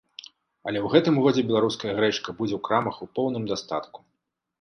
Але ў гэтым годзе беларуская грэчка будзе ў крамах у поўным дастатку.